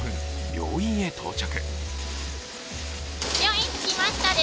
病院へ到着。